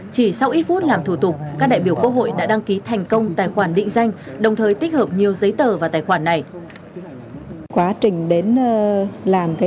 chỉ sau ít phút làm thủ tục các đại biểu quốc hội đã đăng ký thành công tài khoản định danh đồng thời tích hợp nhiều giấy tờ và tài khoản này